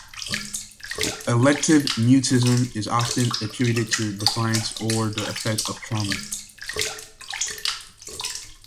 Elective mutism is often attributed to defiance or the effect of trauma.